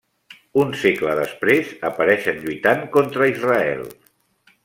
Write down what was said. Un segle després apareixen lluitant contra Israel.